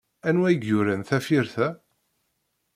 Anwa i yuran tafyirt a?